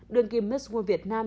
đường kim miss world việt nam